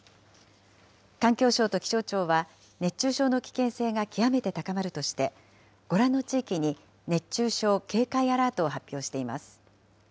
環境省と気象庁は、熱中症の危険性が極めて高まるとして、ご覧の地域に熱中症警戒アラートを発表しています。